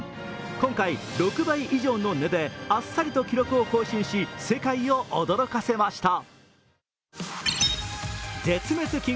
今回、６倍以上の値であっさりと記録を更新し世界を驚かせました。